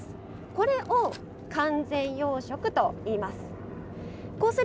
これを完全養殖といいます。